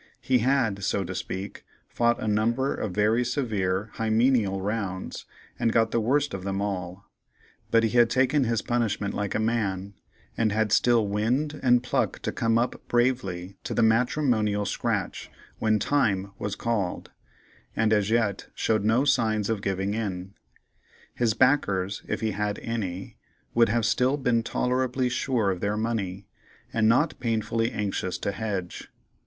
He had, so to speak, fought a number of very severe hymeneal rounds and got the worst of them all; but he had taken his punishment like a man, and had still wind and pluck to come up bravely to the matrimonial scratch when "time" was called, and as yet showed no signs of giving in. His backers, if he'd had any, would have still been tolerably sure of their money, and not painfully anxious to hedge.